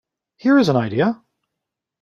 Here is an idea!